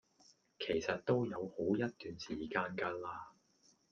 其實都有好一段時間架喇